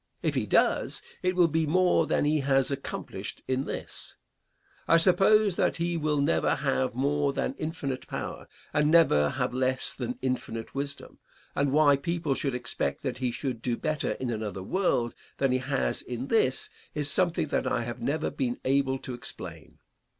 If he does, it will be more than he has accomplished in this. I suppose that he will never have more than infinite power and never have less than infinite wisdom, and why people should expect that he should do better in another world than he has in this is something that I have never been able to explain.